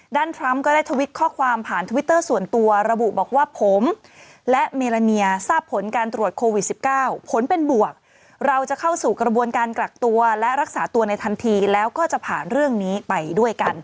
ด้านทรัมป์ก็ได้ทวิตเข้าความผ่านทวิตเตอร์ส่วนตัว